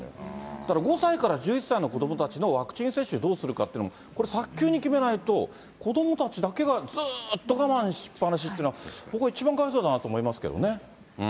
だから５歳から１１歳の子どもたちのワクチン接種、どうするかっていうのも、これ早急に決めないと、子どもたちだけがずっと我慢しっぱなしっていうのは、僕は一番かわいそうだなと思いますけどね。